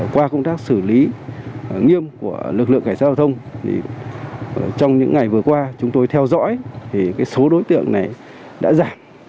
qua công tác xử lý nghiêm của lực lượng cảnh sát giao thông trong những ngày vừa qua chúng tôi theo dõi thì số đối tượng này đã giảm